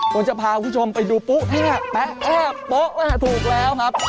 ผมจะพาคุณผู้ชมไปดูปลุแห้แปะแอบโป๊ะถูกแล้วครับ